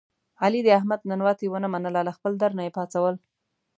علي د احمد ننواتې و نه منله له خپل در نه یې پا څول.